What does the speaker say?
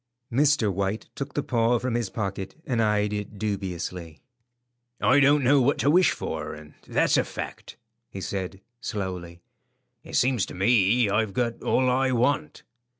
Mr. White took the paw from his pocket and eyed it dubiously. "I don't know what to wish for, and that's a fact," he said, slowly. "It seems to me I've got all I want."